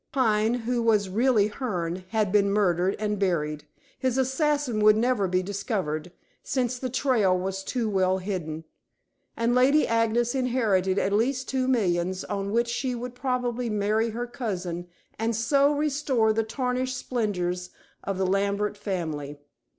Pine, who was really Hearne, had been murdered and buried; his assassin would never be discovered, since the trail was too well hidden; and Lady Agnes inherited at least two millions on which she would probably marry her cousin and so restore the tarnished splendors of the Lambert family.